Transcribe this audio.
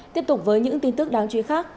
tiếp tục với những tin tức đáng chú ý khác